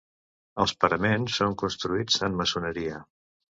Els paraments són construïts en maçoneria.